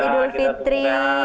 selamat idul fitri